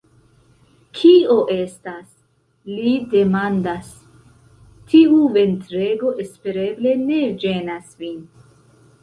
Kio estas?li demandas. Tiu ventrego espereble ne ĝenas vin?